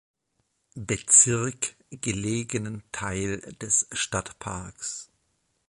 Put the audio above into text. Bezirk gelegenen Teil des Stadtparks.